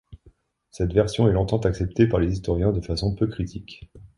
Cette version est longtemps acceptée par les historiens de façon peu critique.